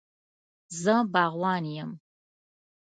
زه باغوان یم